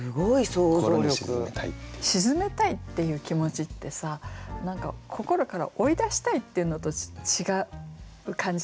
沈めたいっていう気持ちってさ何か心から追い出したいっていうのと違う感じしません？